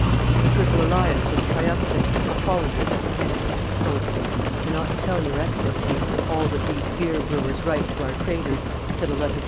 The Triple Alliance was triumphant, the Hollanders at the head. "I cannot tell your Excellency all that these beer brewers write to our traders," said a letter to M.